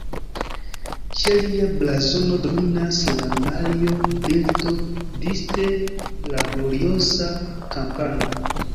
Ĉe lia blazono dominas la Mario-bildo disde la Gloriosa-kampano.